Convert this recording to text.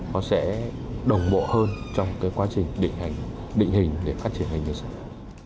nó sẽ đồng bộ hơn trong quá trình định hình để phát triển hình như thế này